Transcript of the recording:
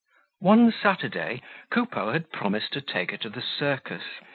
One Saturday Coupeau had promised to take her to the circus.